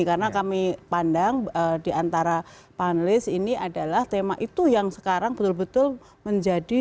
karena kami pandang di antara panelis ini adalah tema itu yang sekarang betul betul menjadi